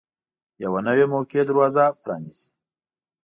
یوه نوې موقع دروازه پرانیزي.